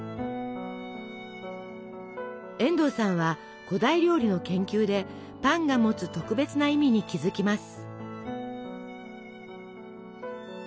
遠藤さんは古代料理の研究でパンが持つ特別な意味に気付きます。